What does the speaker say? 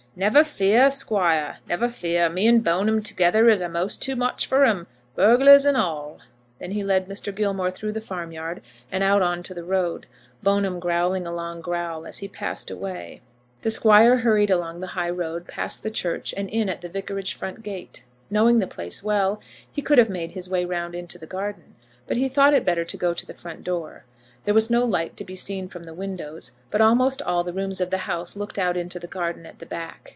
"Never fear, Squire; never fear. Me and Bone'm together is a'most too much for 'em, bugglars and all." Then he led Mr. Gilmore through the farmyard, and out on to the road, Bone'm growling a low growl as he passed away. The Squire hurried along the high road, past the church, and in at the Vicarage front gate. Knowing the place well, he could have made his way round into the garden; but he thought it better to go to the front door. There was no light to be seen from the windows; but almost all the rooms of the house looked out into the garden at the back.